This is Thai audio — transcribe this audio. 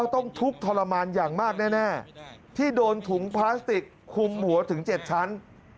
ต้องทุกข์ทรมานอย่างมากแน่ที่โดนถุงพลาสติกคุมหัวถึง๗ชั้น